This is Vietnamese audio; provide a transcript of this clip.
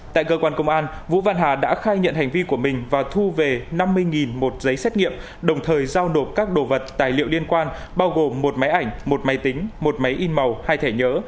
tại cơ quan công an vũ văn hà đã khai nhận hành vi của mình và thu về năm mươi một giấy xét nghiệm đồng thời giao nộp các đồ vật tài liệu liên quan bao gồm một máy ảnh một máy tính một máy in màu hai thẻ nhớ